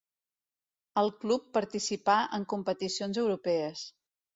El club participà en competicions europees.